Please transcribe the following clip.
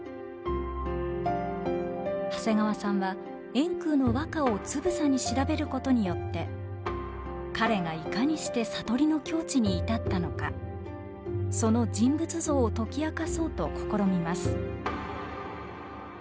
長谷川さんは円空の和歌をつぶさに調べることによって彼がいかにして悟りの境地に至ったのかその人物像を解き明かそうと試みます。